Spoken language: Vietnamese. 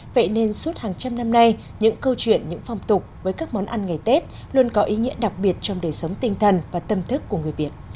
vậy nên suốt hàng trăm năm nay những câu chuyện những phong tục với các món ăn ngày tết luôn có ý nghĩa đặc biệt trong đời sống tinh thần và tâm thức của người việt